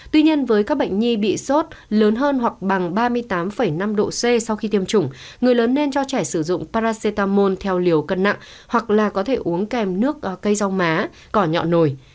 tuy nhiên với các bệnh nhi bị sốt lớn hơn hoặc bằng ba mươi tám năm độ c sau khi tiêm chủng người lớn nên cho trẻ sử dụng paracetamol theo liều cân nặng hoặc là có thể uống kèm nước cây rau má cỏ nhọc